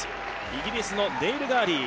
イギリスのネイル・ガーリー。